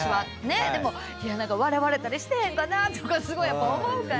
何か笑われたりしてへんかなとかすごいやっぱ思うから。